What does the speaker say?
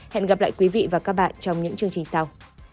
hẹn gặp lại quý vị và các bạn trong những chương trình sau